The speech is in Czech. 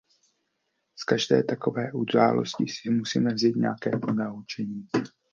Z každé takové události si musíme vzít nějaké ponaučení.